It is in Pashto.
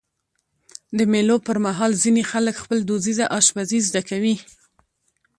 د مېلو پر مهال ځيني خلک خپله دودیزه اشپزي زده کوي.